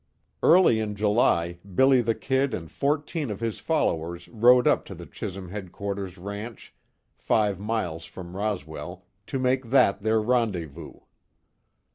Early in July, "Billy the Kid" and fourteen of his followers rode up to the Chisum headquarters ranch, five miles from Roswell, to make that their rendezvous.